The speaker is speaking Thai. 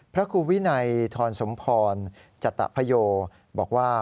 พระครูวินัยทรสมพรจัตตะพโยบอกว่า